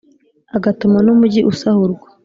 agatuma n’umugi usahurwa.